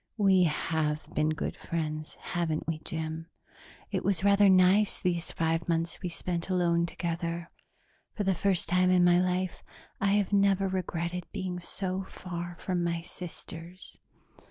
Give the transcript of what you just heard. "We have been good friends, haven't we, Jim? It was rather nice these five months we spent alone together. For the first time in my life, I have never regretted being so far from my sisters.